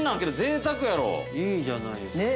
◆いいじゃないですか。